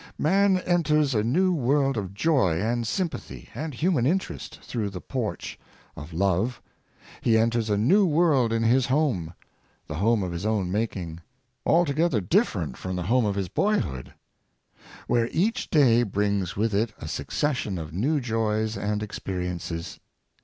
Man enters a new world of joy, and sympathy, and human interest, through the porch of love. He enters a new world in his home — the home of his own making — altogether different from the home of his boyhood, where each day brings with it a succession of new joys and experiences.